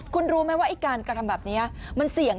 คุณรู้ไหมว่าไอ้การกระทำแบบนี้มันเสี่ยง